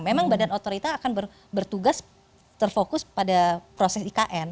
memang badan otorita akan bertugas terfokus pada proses ikn